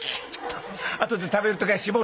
あとで食べる時は絞る」。